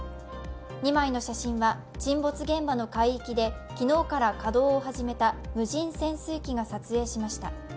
２枚の写真は沈没現場の海域で昨日から稼働を始めた無人潜水機が撮影しました。